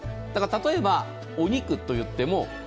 例えばお肉といっても。